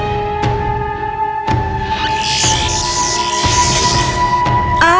itu akan membantumu